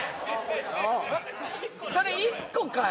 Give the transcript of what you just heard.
それ１個かい？